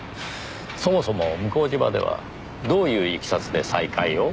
そもそも向島ではどういういきさつで再会を？